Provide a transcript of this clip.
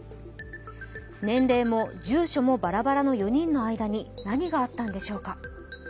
年齢も住所もバラバラの４人の間に何があったのでしょうか。